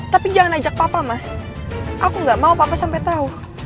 tapi jangan ajak papa mas aku gak mau papa sampai tahu